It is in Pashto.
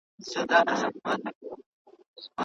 ولې د دولت عایدات په دومره کچه کم سول؟